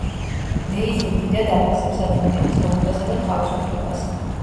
დეიზმი დიდად აფასებს ადამიანის გონებასა და თავისუფლებას.